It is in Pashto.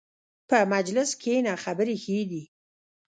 په مجلس کښېنه، خبرې ښې دي.